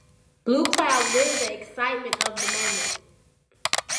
Blue Cloud lived the excitement of the moment.